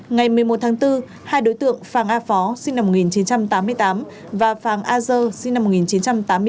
ngày một mươi một tháng bốn hai đối tượng phàng a phó sinh năm một nghìn chín trăm tám mươi tám và phàng a dơ sinh năm một nghìn chín trăm tám mươi chín